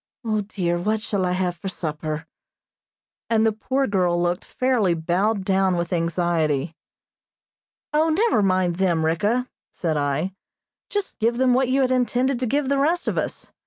O, dear, what shall I have for supper?" and the poor girl looked fairly bowed down with anxiety. "O, never mind them, Ricka," said I, "just give them what you had intended to give the rest of us.